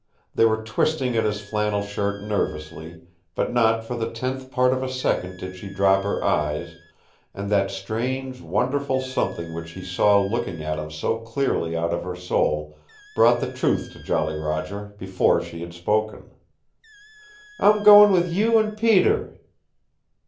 They were twisting at his flannel shirt nervously, but not for the tenth part of a second did she drop her eyes, and that strange, wonderful something which he saw looking at him so clearly out of her soul brought the truth to Jolly Roger, before she had spoken. "I'm goin' with you and Peter."